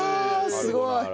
すごい。